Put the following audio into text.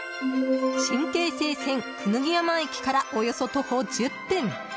新京成線くぬぎ山駅からおよそ徒歩１０分